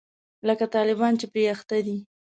لکه طالبان چې پرې اخته دي.